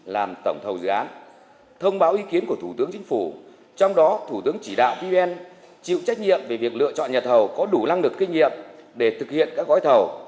làm tổng thầu dự án thông báo ý kiến của thủ tướng chính phủ trong đó thủ tướng chỉ đạo pvn chịu trách nhiệm về việc lựa chọn nhà thầu có đủ năng lực kinh nghiệm để thực hiện các gói thầu